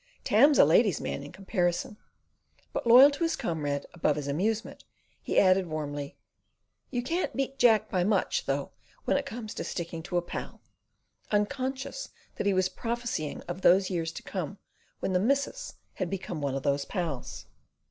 Tam's a lady's man in comparison," but loyal to his comrade above his amusement, he added warmly: "You can't beat Jack by much, though, when it comes to sticking to a pal," unconscious that he was prophesying of the years to come, when the missus had become one of those pals.